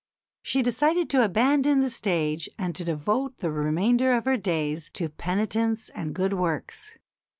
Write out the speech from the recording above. She decided to abandon the stage and to devote the remainder of her days to penitence and good works.